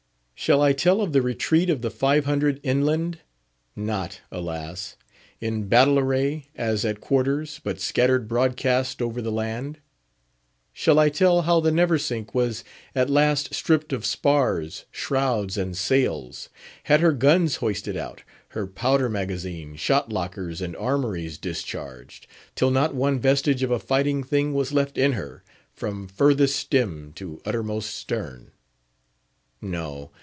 Shall I tell of the Retreat of the Five Hundred inland; not, alas! in battle array, as at quarters, but scattered broadcast over the land? Shall I tell how the Neversink was at last stripped of spars, shrouds, and sails—had her guns hoisted out—her powder magazine, shot lockers, and armouries discharged—till not one vestige of a fighting thing was left in her, from furthest stem to uttermost stern? No!